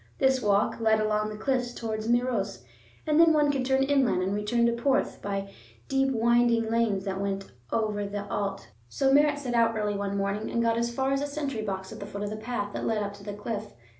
This walk led along the cliffs towards Meiros, and then one could turn inland and return to Porth by deep winding lanes that went over the Allt. So Merritt set out early one morning and got as far as a sentry box at the foot of the path that led up to the cliff.